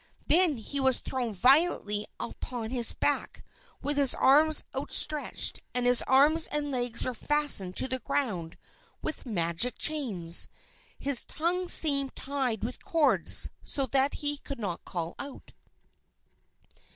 Then he was thrown violently upon his back with his arms outstretched; and his arms and legs were fastened to the ground with magic chains. His tongue seemed tied with cords so that he could not call out.